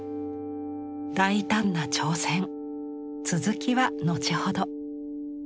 大胆な挑戦続きは後ほど。